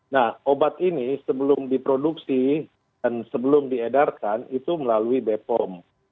nah obat ini sebelum diproduksi dan sebelum diedarkan itu melalui bepom